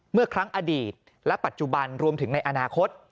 เมื่อครั้งอดีตและปัจจุบันรวมถึงในอนาคต